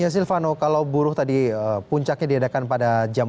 silvano kalau buruh tadi puncaknya diadakan pada jam empat